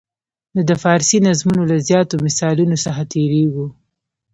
نو د فارسي نظمونو له زیاتو مثالونو څخه تېریږو.